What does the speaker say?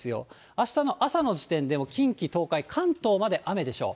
あしたの朝の時点でも近畿、東海、関東まで雨でしょう。